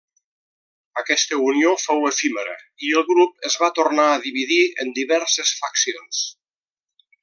Aquesta unió fou efímera i el grup es va tornar a dividir en diverses faccions.